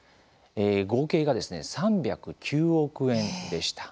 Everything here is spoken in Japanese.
合計が３０９億円でした。